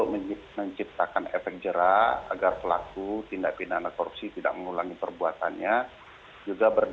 mbak elvira beri dukungan di kolom komentar